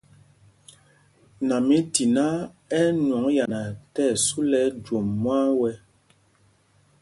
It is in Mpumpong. Namítiná ɛ́ ɛ́ nwɔŋ yana tí ɛsu lɛ ɛjwôm mwân wɛ́.